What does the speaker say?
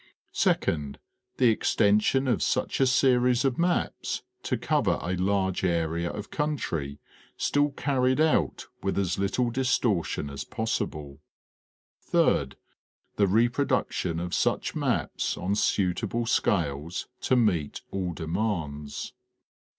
2d. The extension of such a series of maps to cover a large area of country still carried out with as little distortion as pos sible. 3d. The reproduction of such maps on suitable scales to meet all demands.